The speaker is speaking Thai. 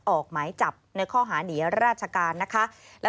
ออกหมายจับในข้อห่าเหนียรรชากาล